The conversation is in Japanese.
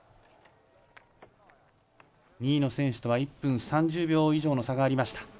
２位の選手とは１分３０秒以上の差がありました。